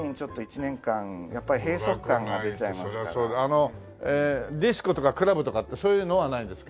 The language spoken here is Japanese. あのディスコとかクラブとかってそういうのはないんですか？